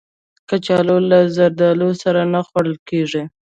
کچالو له زردالو سره نه خوړل کېږي